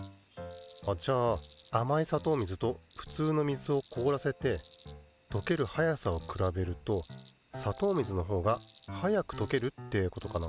あっじゃああまいさとう水とふつうの水を凍らせてとける早さをくらべるとさとう水のほうが早くとけるってことかな？